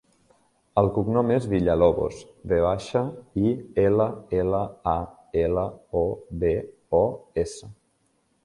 El cognom és Villalobos: ve baixa, i, ela, ela, a, ela, o, be, o, essa.